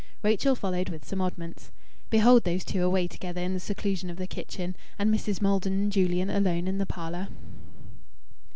Rachel followed with some oddments. Behold those two away together in the seclusion of the kitchen; and Mrs. Maldon and Julian alone in the parlour!